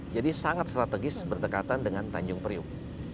jadi sangat strategis berdekatan dengan tanjung priok